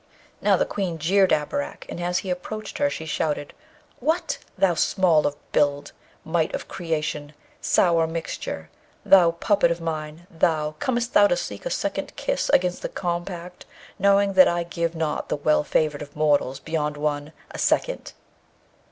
Now, the Queen jeered Abarak, and as he approached her she shouted, 'What! thou small of build! mite of creation! sour mixture! thou puppet of mine! thou! comest thou to seek a second kiss against the compact, knowing that I give not the well favoured of mortals beyond one, a second.